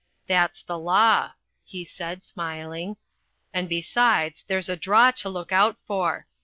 That's the law," he added, smiling, "and, besides, there's a draw to look out for.